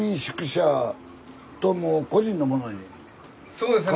そうですね。